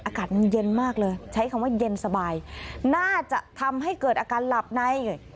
อากาศมันเย็นมากเลยใช้คำว่าเย็นสบายน่าจะทำให้เกิดอาการหลับใน